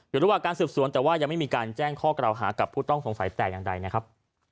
อยู่ระหว่างการสืบสวนแต่ว่ายังไม่มีการแจ้งข้อกล่าวหากับผู้ต้องสงสัยแต่อย่างใดนะครับ